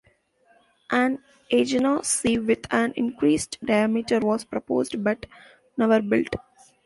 An Agena-C with an increased diameter was proposed, but never built.